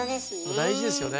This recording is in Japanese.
大事ですよね。